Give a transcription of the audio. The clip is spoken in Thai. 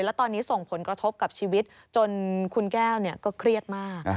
และตอนนี้ส่งผลกระทบกับชีวิตจนคุณแก้วก็เครียดมาก